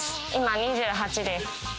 ２８です。